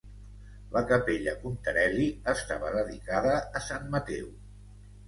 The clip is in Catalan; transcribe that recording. La Capella Contarelli estava dedicada a Sant Mateu.